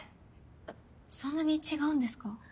えっそんなに違うんですか？